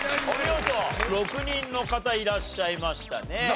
６人の方いらっしゃいましたね。